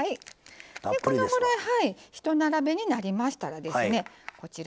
このぐらいひと並べになりましたら